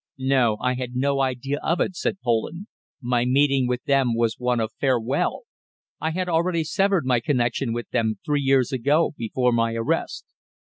"No. I had no idea of it," said Poland. "My meeting with them was one of farewell. I had already severed my connection with them three years ago, before my arrest."